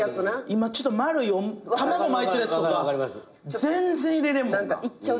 今ちょっと丸い卵巻いてるやつとか全然入れれるもんな。